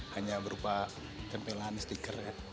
hanya berupa tempelan stiker